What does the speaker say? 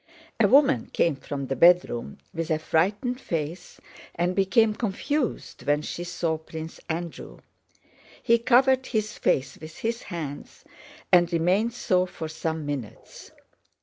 A woman came from the bedroom with a frightened face and became confused when she saw Prince Andrew. He covered his face with his hands and remained so for some minutes.